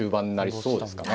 そうですね。